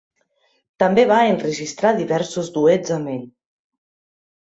També va enregistrar diversos duets amb ell.